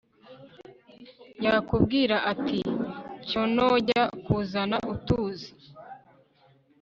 yakubwira ati cyonojya kuzana utuzi